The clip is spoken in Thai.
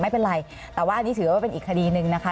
ไม่เป็นไรแต่ว่าอันนี้ถือว่าเป็นอีกคดีหนึ่งนะคะ